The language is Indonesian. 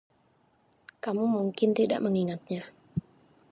Kamu mungkin tidak mengingatnya.